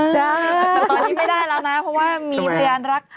แต่ตอนนี้ไม่ได้แล้วนะเพราะว่ามีพยานรัก